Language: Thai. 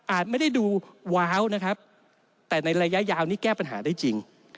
ไม่ได้ดูว้าวนะครับแต่ในระยะยาวนี้แก้ปัญหาได้จริง